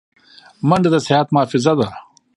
منډه د صحت محافظه ده